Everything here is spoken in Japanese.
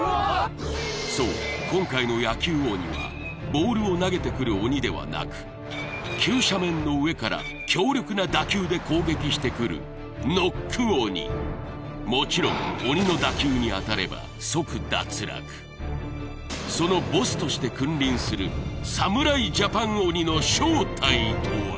そう今回の野球鬼はボールを投げてくる鬼ではなく急斜面の上から強力な打球で攻撃してくるノック鬼もちろん鬼の打球に当たれば即脱落そのボスとして君臨するえっ！？